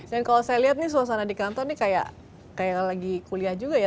dan kalau saya lihat nih suasana di kantor nih kayak lagi kuliah juga ya